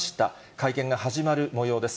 会見が始まるもようです。